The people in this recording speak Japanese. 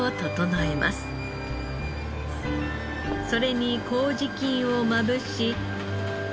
それに麹菌をまぶし。